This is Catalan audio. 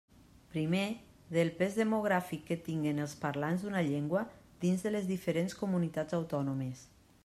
Primer, del pes demogràfic que tinguen els parlants d'una llengua dins de les diferents comunitats autònomes.